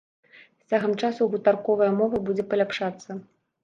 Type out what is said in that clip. З цягам часу гутарковая мова будзе паляпшацца.